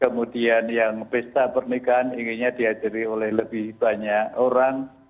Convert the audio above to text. kemudian yang pesta pernikahan inginnya dihadiri oleh lebih banyak orang